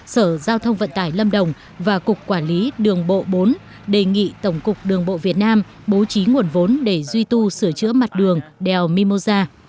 sở giao thông vận tải lâm đồng và cục quản lý đường bộ bốn đề nghị tổng cục đường bộ việt nam bố trí nguồn vốn để duy tu sửa chữa mặt đường đèo mimosa